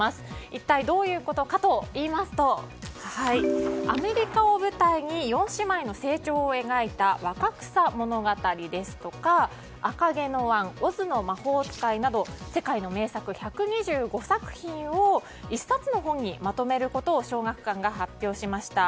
一体どういうことかといいますとアメリカを舞台に４姉妹の成長を描いた「若草物語」ですとか「赤毛のアン」「オズの魔法使い」など世界の名作１２５作品を１冊の本にまとめることを小学館が発表しました。